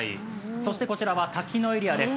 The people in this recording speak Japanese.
そしてこちらは滝のエリアです。